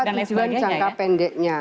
ini adalah tujuan jangka pendeknya